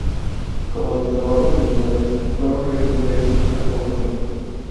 Como sus trabajos originales, fueron reimpresos al poco tiempo.